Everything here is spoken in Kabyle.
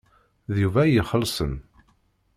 D Yuba ay ixellṣen.